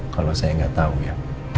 kalau saya gak tau ya